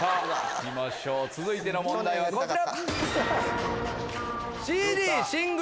続いての問題はこちら。